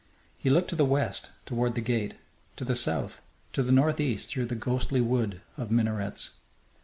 He looked to the west, toward the gate, to the south, to the northeast through the ghostly wood of minarets.